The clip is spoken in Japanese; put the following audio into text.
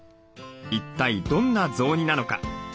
一体どんな雑煮なのか。